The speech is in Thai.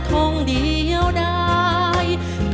จะใช้หรือไม่ใช้ครับ